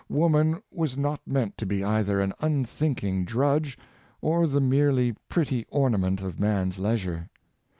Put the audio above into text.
Woman was not meant to be either an unthinking drudge, or the merely pretty ornament of man's leisure.